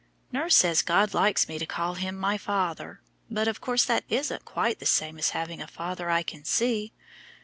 Nurse says God likes me to call Him my Father, but of course that isn't quite the same as having a father I can see.